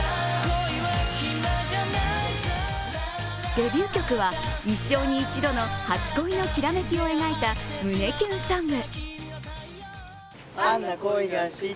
デビュー曲は一生に一度の初恋のきらめきを描いた胸キュンソング。